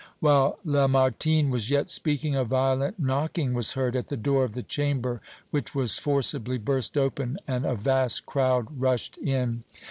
While Lamartine was yet speaking, a violent knocking was heard at the door of the Chamber, which was forcibly burst open and a vast crowd rushed in.